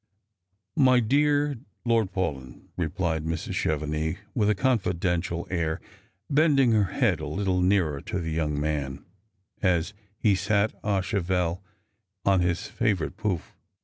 " My dear Lord Paulyn," replied Mrs. Chevenix, with a con fidential air, bending her head a little nearer to tlie young man, as he sat a cheval on his favourite fovff.